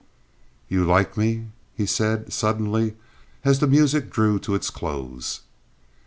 "You like me?" he said, suddenly, as the music drew to its close.